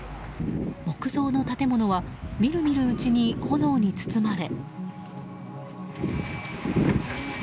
木造の建物は見る見るうちに炎に包まれ。